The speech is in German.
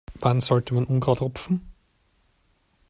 Wann sollte man Unkraut rupfen?